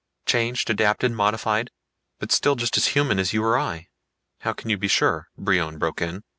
Changed, adapted, modified but still just as human as you or I." "How can you be sure?" Brion broke in.